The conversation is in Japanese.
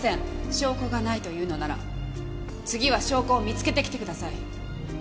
証拠がないというのなら次は証拠を見つけてきてください。